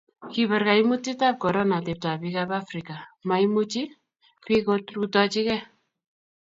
kibar kaimutietab korona atebtab biikab Afrika, maimuchi biik korutochigei.